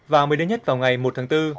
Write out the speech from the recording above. vào một mươi một vào ngày một tháng bốn